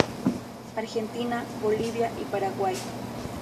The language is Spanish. Argentina, Bolivia y Paraguay.